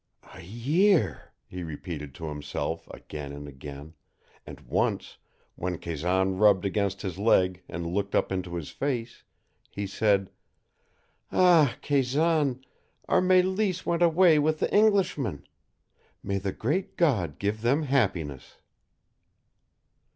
"A year," he repeated to himself, again and again, and once, when Kazan rubbed against his leg and looked up into his face, he said, "Ah, Kazan, our Mélisse went away with the Englishman. May the Great God give them happiness!"